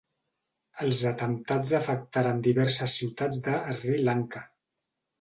Els atemptats afectaren diverses ciutats de Sri Lanka.